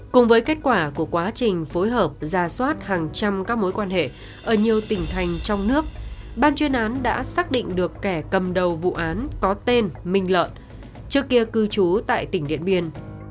cùng với kết quả của quá trình phối hợp ra soát hàng trăm các mối quan hệ ở nhiều tỉnh thành trong nước ban chuyên án đã xác định được kẻ cầm đầu vụ án có tên minh lợi trước kia cư trú tại tỉnh điện biên